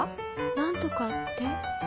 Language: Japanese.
何とかって？